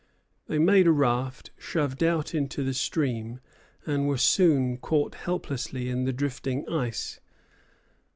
They made a raft, shoved out into the stream, and were soon caught helplessly in the drifting ice.